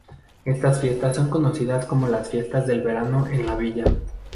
Estas fiestas son conocidas como las fiestas del verano en la villa.